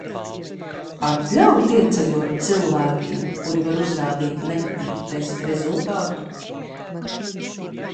Atļaut ieceļot cilvēkiem, kuri var uzrādīt negatīvu testa rezultātu?